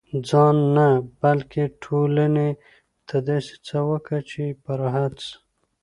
ځان نه، بلکي ټولني ته داسي څه وکه، چي په راحت سي.